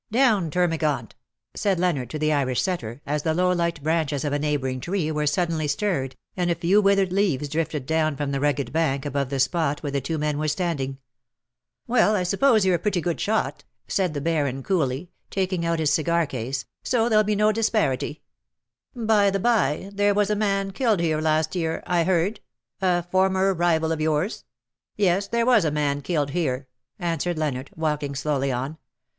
Down, Terma gant," said Leonard to the Irish setter, as the low light branches of a neighbouring tree were suddenly stirred, and a few withered leaves drifted down from the rugged bank above the spot where the two men were standing. " Well, I suppose you're a pretty good shot," 234 said the Baron coolly^ taking out his cigar case^ ^*'so therein be no disparity. By the by there was a man killed here last year, I heard — a former rival of yours/'' " Yes, there was a man killed here," answered Leonard, walking slowly on.